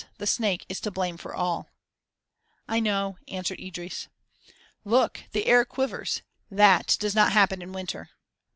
The snake is to blame for all " "I know," answered Idris. "Look! the air quivers. That does not happen in winter."